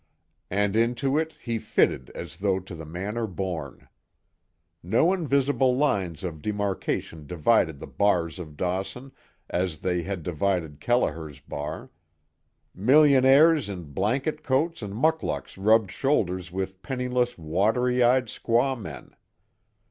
And into it he fitted as though to the manner born. No invisible lines of demarkation divided the bars of Dawson as they had divided Kelliher's bar. Millionaires in blanket coats and mukluks rubbed shoulders with penniless watery eyed squaw men.